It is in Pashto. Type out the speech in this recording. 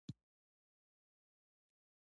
آیا د ژبې ګډون دوی سره نه نښلوي؟